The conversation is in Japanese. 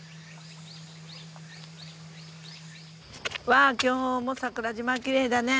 わあ今日も桜島きれいだね。